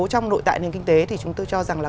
trong nội tại nền kinh tế thì chúng tôi cho rằng là